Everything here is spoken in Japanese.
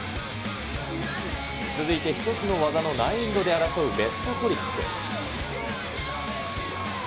続いて１つの技の難易度で争うベストトリック。